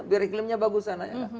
biar iklimnya bagus sana ya